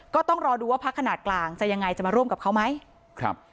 ก็ต้องรอดูว่าพักขนาดกลางจะยังไงจะมาร่วมกับเขาไหมครับ